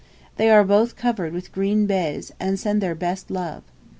They are both covered with green baize, and send their best love.